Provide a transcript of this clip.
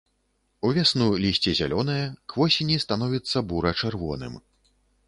Увесну лісце зялёнае, к восені становіцца бура-чырвоным.